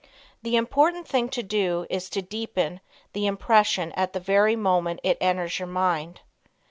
The important thing to do is to deepen the impression at the very moment it enters your mind.